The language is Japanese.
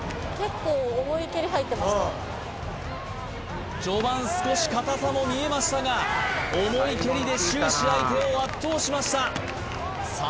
うん序盤少し硬さも見えましたが重い蹴りで終始相手を圧倒しましたさあ